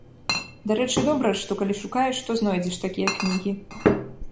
Дарэчы, добра, што калі шукаеш, то знойдзеш такія кнігі.